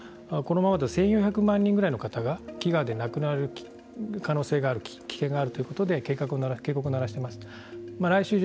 実は国連もこのままだと１４００万人ぐらいの方が飢餓で亡くなる可能性がある危険があるということで警告を鳴らしています。